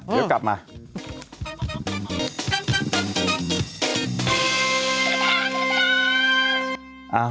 เดี๋ยวกลับมา